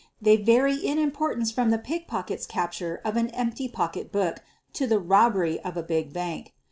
They vary in importance from the pickpockets capture of an empty pocketbook to the robbery of a big bank.